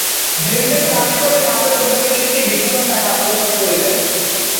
যেনতেন কাজ করে মাপে গোঁজামিল দেখিয়ে বেশির ভাগ টাকা আত্মসাৎ করা হয়েছে।